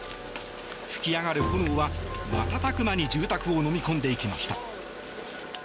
噴き上がる炎は、瞬く間に住宅をのみ込んでいきました。